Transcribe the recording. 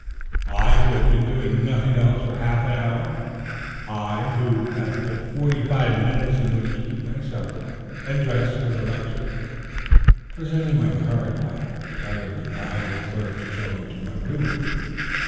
I who had been doing nothing else for half an hour! I who had but forty five minutes in which to eat my supper and dress for the lecture! Presenting my card, I desired the mild clerk to show me to my room.